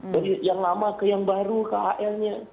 jadi yang lama ke yang baru khl nya